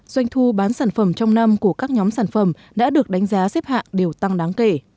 doanh thu bán sản phẩm trong năm của các nhóm sản phẩm đã được đánh giá xếp hạng đều tăng đáng kể